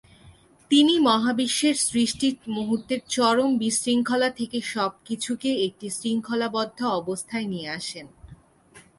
তিনি মহাবিশ্বের সৃষ্টির মুহূর্তের চরম বিশৃঙ্খলা থেকে সব কিছুকে একটি শৃঙ্খলাবদ্ধ অবস্থায় নিয়ে আসেন।